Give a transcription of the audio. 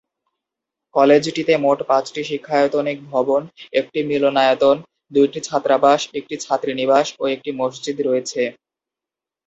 কলেজটিতে মোট পাঁচটি শিক্ষায়তনিক ভবন, একটি মিলনায়তন, দুইটি ছাত্রাবাস, একটি ছাত্রীনিবাস ও একটি মসজিদ রয়েছে।